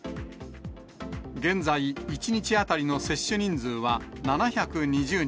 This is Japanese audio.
現在、１日当たりの接種人数は７２０人。